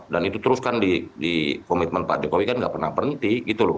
dan itu teruskan di komitmen pak jokowi kan nggak pernah berhenti